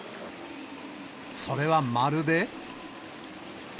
それは、まるで。